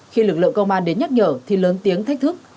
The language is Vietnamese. khi lực lượng công an đến nhắc nhở thì lớn tiếng thách thức